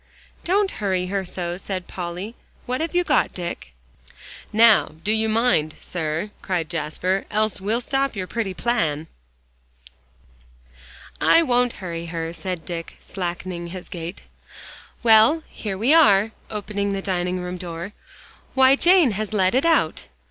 "Don't hurry her so," said Polly. "What have you got, Dick?" "Now, do you mind, sir," cried Jasper, "else well stop your pretty plan." "I won't hurry her," said Dick, slackening his gait. "Well, here we are," opening the dining room door. "Why, Jane has let it out!"